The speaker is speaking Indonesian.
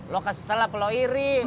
lo kesel lah kalau iri